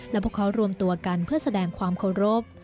และพวกเขารวมตัวกันเพื่อแสดงความเคารพ